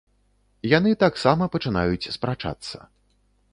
Яны таксама пачынаюць спрачацца.